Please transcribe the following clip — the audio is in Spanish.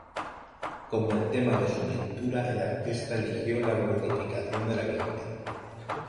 Como el tema de su pintura el artista eligió la glorificación de la Virgen.